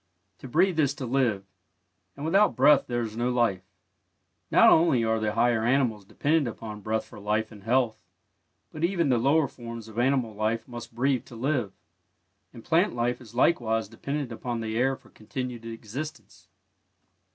To breathe is to live, and without breath there is no life. Not only are the higher animals dependent upon breath for life and health, but even the lower forms of animal life must breathe to live, and plant life is likewise dependent upon the air for continued existence.